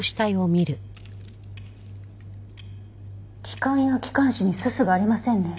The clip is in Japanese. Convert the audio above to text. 気管や気管支にすすがありませんね。